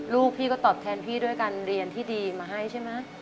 ลูกพี่ก็ตอบแทนพี่ด้วยการเรียนที่ดีมาให้ใช่ไหม